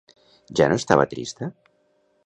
Ja no estava trista?